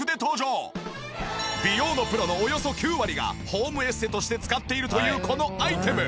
美容のプロのおよそ９割がホームエステとして使っているというこのアイテム。